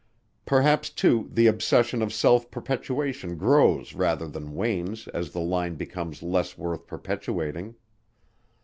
Perhaps, too, the obsession of self perpetuation grows rather than wanes as the line becomes less worth perpetuating.